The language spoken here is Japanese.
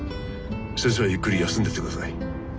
先生はゆっくり休んでてください。